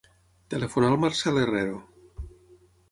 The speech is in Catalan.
Telefona al Marcel Herrero.